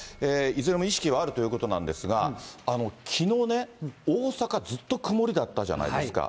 いずれも意識はあるということなんですが、きのうね、大阪、ずっと曇りだったじゃないですか。